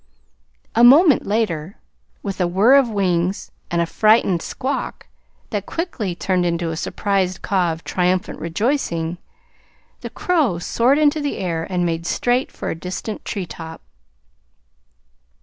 A moment later, with a whir of wings and a frightened squawk that quickly turned into a surprised caw of triumphant rejoicing, the crow soared into the air and made straight for a distant tree top.